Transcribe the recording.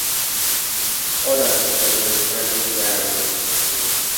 Others were private diaries.